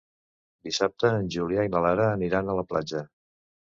Dissabte en Julià i na Lara aniran a la platja.